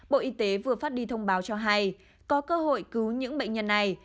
bộ y tế vừa phát đi thông báo cho hay có cơ hội cứu những bệnh nhân này